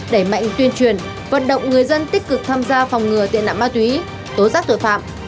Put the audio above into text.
đẩy mạnh tuyên truyền vận động người dân tích cực tham gia phòng ngừa tệ nạn ma túy tố giác tội phạm